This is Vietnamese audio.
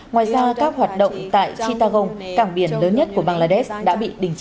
ngoài ra các hoạt động tại chitagong cảng biển lớn nhất của bangladesh đã bị đình chỉ